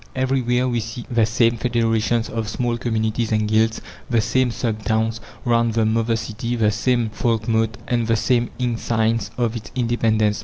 Everywhere we see the same federations of small communities and guilds, the same "sub towns" round the mother city, the same folkmote, and the same insigns of its independence.